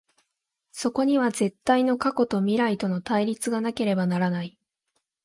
そこには絶対の過去と未来との対立がなければならない。